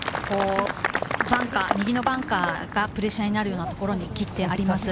右のバンカーがプレッシャーになるような所に切ってあります。